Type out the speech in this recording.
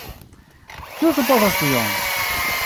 Kiu supozas tion?